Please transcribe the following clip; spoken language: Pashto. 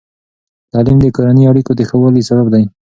تعلیم د کورني اړیکو د ښه والي سبب دی.